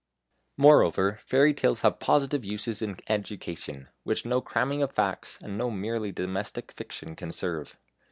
Moreover fairy tales have positive uses in education, which no cramming of facts, and no merely domestic fiction can serve.